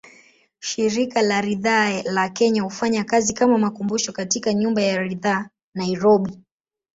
Shirika la Riadha la Kenya hufanya kazi kama makumbusho katika Nyumba ya Riadha, Nairobi.